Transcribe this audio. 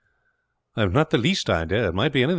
"I have not the least idea; it might be anything.